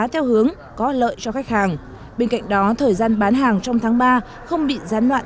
theo hướng có lợi cho khách hàng bên cạnh đó thời gian bán hàng trong tháng ba không bị gián đoạn